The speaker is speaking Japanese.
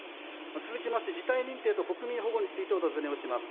続きまして事態認定と国民保護についてお尋ねをします。